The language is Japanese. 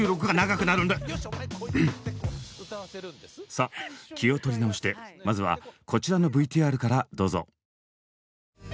さっ気を取り直してまずはこちらのＶＴＲからどうぞ。